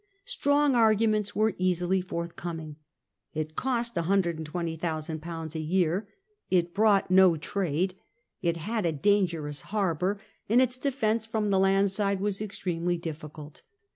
Strong arguments were easily forthcoming. It cost 120,000/. a year, it brought no trade, it had a dangerous harbour, and its defence from the land side was extremely difficult.